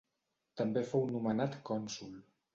També fou nomenat cònsol.